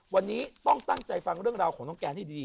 วันนี้ต้องตั้งใจฟังเรื่องราวของน้องแกนให้ดี